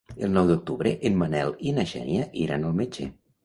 El nou d'octubre en Manel i na Xènia iran al metge.